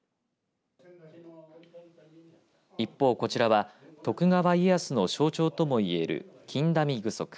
一方こちらは徳川家康の象徴ともいえる金陀美具足。